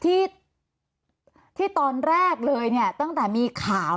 ที่ตอนแรกเลยเนี่ยตั้งแต่มีข่าว